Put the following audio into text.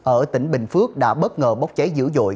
ở tỉnh bình phước đã bất ngờ bốc cháy dữ dội